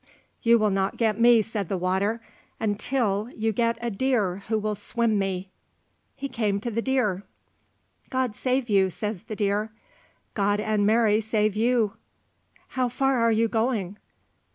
"You will not get me," said the water, "until you get a deer who will swim me." He came to the deer. "God save you," says the deer. "God and Mary save you." "How far are you going?"